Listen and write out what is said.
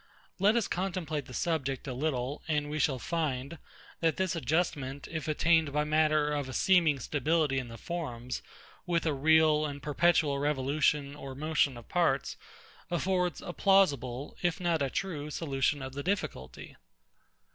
Let us contemplate the subject a little, and we shall find, that this adjustment, if attained by matter of a seeming stability in the forms, with a real and perpetual revolution or motion of parts, affords a plausible, if not a true solution of the difficulty.